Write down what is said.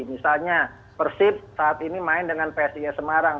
misalnya persib saat ini main dengan psis semarang